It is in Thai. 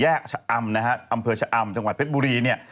ชะอำนะฮะอำเภอชะอำจังหวัดเพชรบุรีเนี่ย